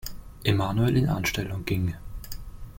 Emanuel in Anstellung ging.